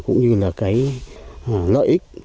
cũng như lợi ích